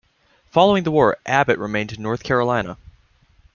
Following the war, Abbott remained in North Carolina.